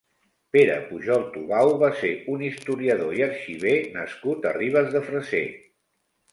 Pere Pujol Tubau va ser un historiador i arxiver nascut a Ribes de Freser.